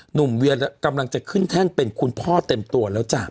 เวียกำลังจะขึ้นแท่นเป็นคุณพ่อเต็มตัวแล้วจ้ะ